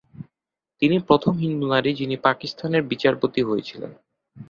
তিনি প্রথম হিন্দু নারী যিনি পাকিস্তানের বিচারপতি হয়েছিলেন।